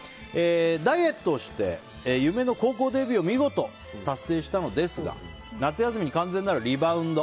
ダイエットをして夢の高校デビューを見事達成したのですが夏休みに完全なるリバウンド。